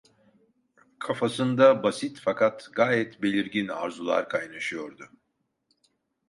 Kafasında basit fakat gayet belirgin arzular kaynaşıyordu.